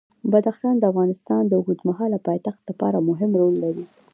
بدخشان د افغانستان د اوږدمهاله پایښت لپاره مهم رول لري.